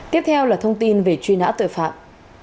tiếp theo là thông tin về truy nã tội phạm